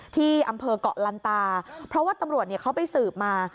ที่อำเภอกเกาะลันตาเพราะว่าตำรวจเขาไปสืบมา